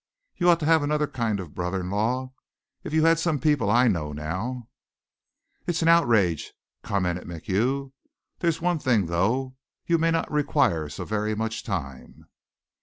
"You ought to have another kind of brother in law. If you had some people I know now " "It's an outrage," commented MacHugh. "There's one thing though. You may not require so very much time."